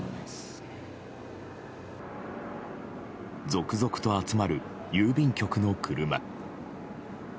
続々と集まる郵便局の車。